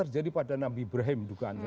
jadi pada nabi ibrahim